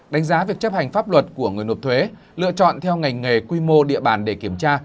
đánh giá việc chấp hành pháp luật của người nộp thuế lựa chọn theo ngành nghề quy mô địa bàn để kiểm tra